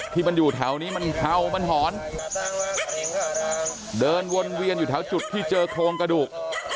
ที่มันอยู่แถวนี้มันเห่ามันหอนเดินวนเวียนอยู่แถวจุดที่เจอโครงกระดูก